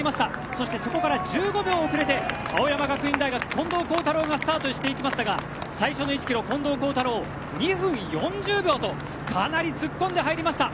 そして、そこから１５秒遅れて青山学院大学、近藤幸太郎がスタートしていきましたが最初の１ｋｍ、近藤幸太郎２分４０秒とかなり突っ込んで入りました。